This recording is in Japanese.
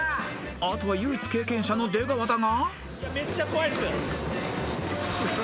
［あとは唯一経験者の出川だが］